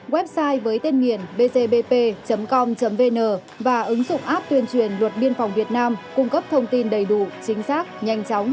website với tên nghiền bcbp com vn và ứng dụng app tuyên truyền luật biên phòng việt nam cung cấp thông tin đầy đủ chính xác nhanh chóng